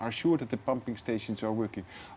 pastikan bahwa pembungkusan berfungsi